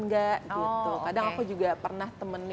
enggak gitu kadang aku juga pernah temenin